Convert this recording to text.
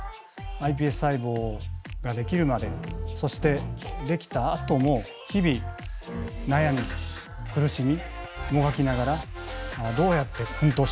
ｉＰＳ細胞ができるまでそしてできたあとも日々悩み苦しみもがきながらどうやって奮闘しているか。